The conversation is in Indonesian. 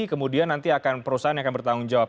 kemudian nanti akan perusahaan yang akan bertanggung jawab